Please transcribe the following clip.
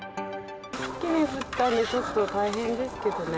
一気に降ったんで、ちょっと大変ですけどね。